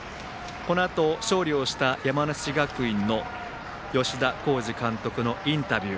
このあと勝利をした山梨学院の吉田洸二監督のインタビュー。